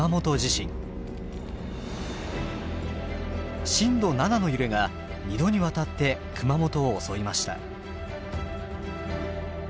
震度７の揺れが２度にわたって熊本を襲いました。